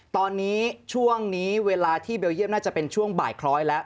ตอนนี้ช่วงนี้เวลาที่เบลเยี่ยมน่าจะเป็นช่วงบ่ายคล้อยแล้ว